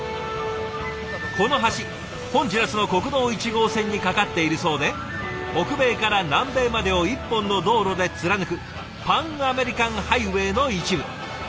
この橋ホンジュラスの国道１号線に架かっているそうで北米から南米までを１本の道路で貫くパンアメリカン・ハイウェイの一部。